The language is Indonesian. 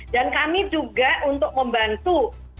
dan kami juga untuk membantu